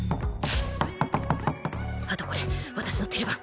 あとこれ私のＴＥＬ番。